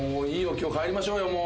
今日帰りましょうよもう。